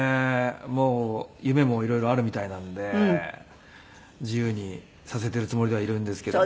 もう夢も色々あるみたいなので自由にさせているつもりではいるんですけども。